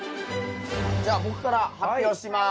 じゃあ僕から発表します。